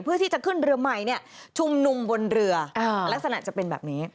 เพื่อที่จะขึ้นเรือใหม่ชุมนุมบนเรือลักษณะจะเป็นแบบนี้